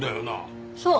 そう。